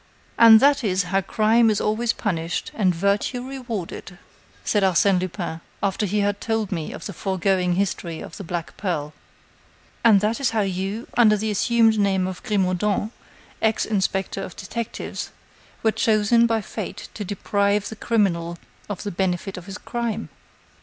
"And that is how crime is always punished and virtue rewarded," said Arsène Lupin, after he had told me the foregoing history of the black pearl. "And that is how you, under the assumed name of Grimaudan, ex inspector of detectives, were chosen by fate to deprive the criminal of the benefit of his crime."